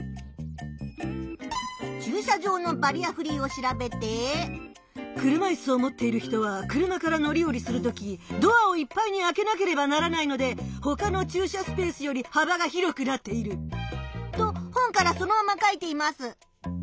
駐車場のバリアフリーを調べて「車いすをもっている人は車から乗り降りする時ドアをいっぱいにあけなければならないのでほかの駐車スペースよりはばが広くなっている」と本からそのまま書いています。